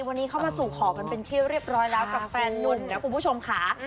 วันนี้เข้ามาสู่ขอกันเป็นที่เรียบร้อยแล้วกับแฟนนุ่มนะคุณผู้ชมค่ะ